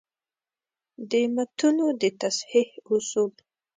د متونو د تصحیح اصول: